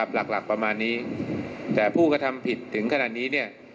หลักประมาณนี้แต่ผู้กระทำผิดถึงขณะนี้